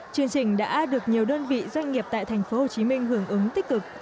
chương trình đã được nhiều đơn vị doanh nghiệp tại thành phố hồ chí minh hưởng ứng tích cực